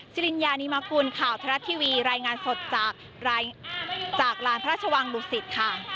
จิลินยานิมากุลข่าวทรัฐทีวีรายงานสดจากร้านพระราชวังลูกศิษย์